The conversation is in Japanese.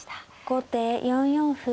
後手４四歩。